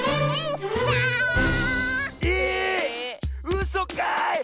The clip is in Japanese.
うそかい！